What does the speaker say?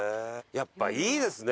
やっぱいいですね。